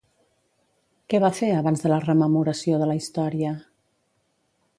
Què va fer abans de la rememoració de la història?